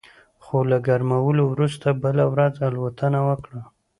خو له ګرمولو وروسته بله ورځ الوتنه وکړه